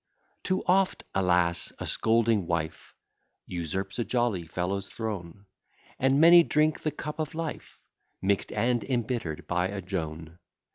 Too oft, alas! a scolding wife Usurps a jolly fellow's throne; And many drink the cup of life, Mix'd and embitter'd by a Joan.